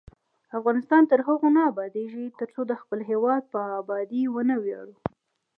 افغانستان تر هغو نه ابادیږي، ترڅو د خپل هیواد په ابادۍ ونه ویاړو.